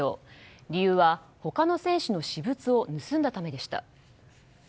理由は他の選手の私物を盗んだためでした。